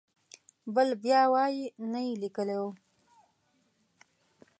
بل بیا وایي نه یې لیکلی و.